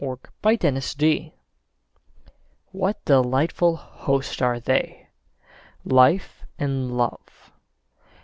A PARTING GUEST WHAT delightful hosts are they Life and Love!